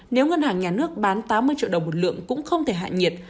nếu ngân hàng nhà nước bán tám mươi triệu đồng một lượng cũng không thể hạ nhiệt